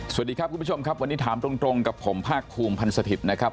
สวัสดีครับคุณผู้ชมครับวันนี้ถามตรงกับผมภาคภูมิพันธ์สถิตย์นะครับ